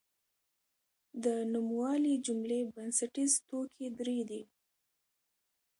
د نوموالي جملې بنسټیز توکي درې دي.